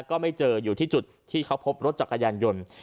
ก็ไม่เจออยู่ที่จุดที่เขาพบรถจักรยานยนต์